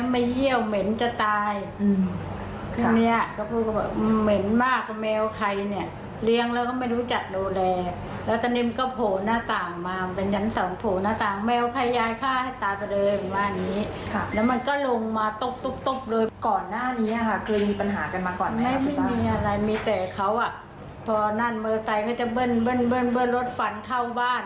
มีแต่เขาอ่ะพอนั่นเมอร์ไซค์เขาจะเบิ้นรถฝันเข้าบ้าน